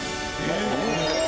えっ！